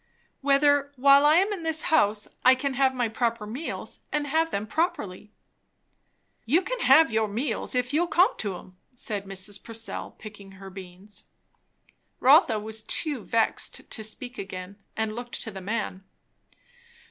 "Whether, while I am in this house, I can have my proper meals, and have them properly." "You can have your meals, if you'll come to 'em," said Mrs. Purcell, picking her beans. Rotha was too vexed to speak again, and looked to the man.